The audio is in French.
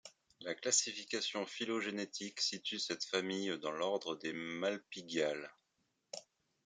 La classification phylogénétique situe cette famille dans l'ordre des Malpighiales.